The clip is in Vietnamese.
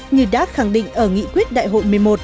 như đã khẳng định ở nghị quyết đại hội một mươi một